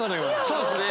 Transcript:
そうですね。